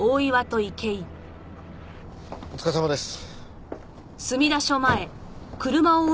お疲れさまです。